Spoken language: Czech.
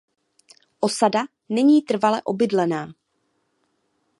Osada není trvale obydlená.